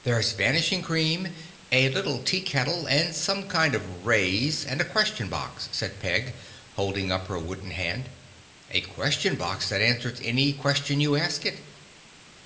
"There's Vanishing Cream, a little tea kettle and some kind of rays and a Question Box," said Peg, holding up her wooden hand. "A Question Box that answers any question you ask it."